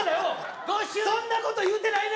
そんなん言うてないわ